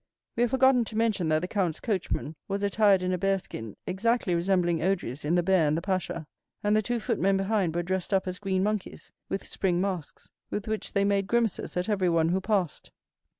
We have forgotten to mention, that the count's coachman was attired in a bear skin, exactly resembling Odry's in The Bear and the Pasha; and the two footmen behind were dressed up as green monkeys, with spring masks, with which they made grimaces at everyone who passed.